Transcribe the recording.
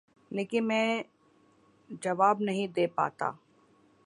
لیکن میں جواب نہیں دے پاتا ۔